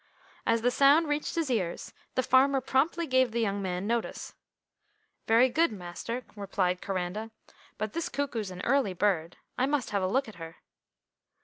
As the sound reached his ears, the farmer promptly gave the young man notice. "Very good, master," replied Coranda, "but this cuckoo's an early bird. I must have a look at her."